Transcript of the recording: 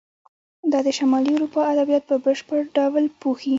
دا د شمالي اروپا ادبیات په بشپړ ډول پوښي.